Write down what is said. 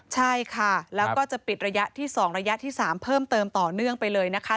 ใช่ค่ะแล้วก็จะปิดระยะที่๒ระยะที่๓เพิ่มเติมต่อเนื่องไปเลยนะคะ